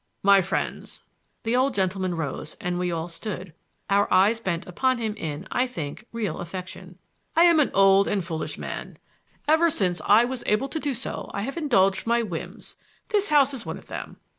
"My friends,"—the old gentleman rose and we all stood, our eyes bent upon him in, I think, real affection, —"I am an old and foolish man. Ever since I was able to do so I have indulged my whims. This house is one of them.